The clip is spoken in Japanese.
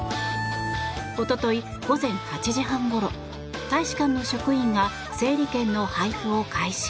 おととい午前８時半ごろ大使館の職員が整理券の配布を開始。